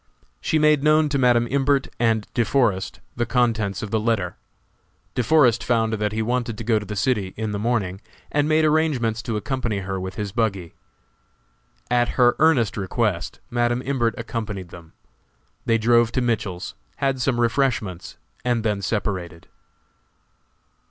She made known to Madam Imbert, and De Forest, the contents of the letter. De Forest found that he wanted to go to the city in the morning, and made arrangements to accompany her with his buggy. At her earnest request Madam Imbert accompanied them. They drove to Mitchell's, had some refreshments, and then separated.